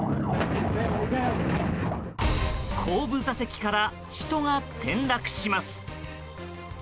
後部座席から人が転落します。